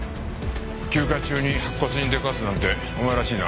休暇中に白骨に出くわすなんてお前らしいな。